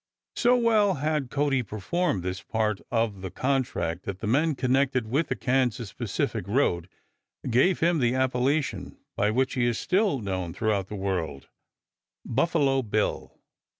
So well had Cody performed his part of the contract that the men connected with the Kansas Pacific road gave him the appellation by which he is still known throughout the world, "Buffalo Bill."